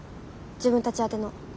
自分たち宛ての。